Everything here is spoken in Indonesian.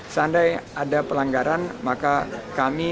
seandai ada pelanggaran maka kami